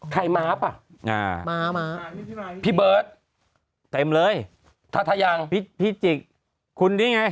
ใครมาฟอ่ะอ่ามามาพี่เบิร์ดเต็มเลยถ้ายังพี่พิจิกคนนี้ไง